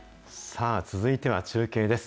さあ、続いては中継です。